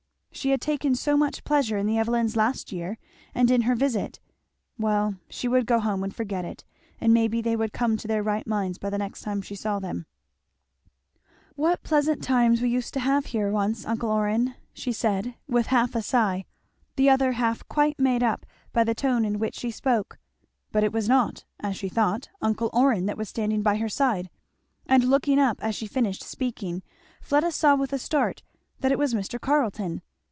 She had taken so much pleasure in the Evelyns last year, and in her visit, well, she would go home and forget it, and maybe they would come to their right minds by the next time she saw them. [Illustration: Fleda saw with a start that it was Mr. Carleton.] "What pleasant times we used to have here once, uncle Orrin!" she said with half a sigh, the other half quite made up by the tone in which she spoke. But it was not, as she thought, uncle Orrin that was standing by her side, and looking up as she finished speaking Fleda saw with a start that it was Mr. Carleton.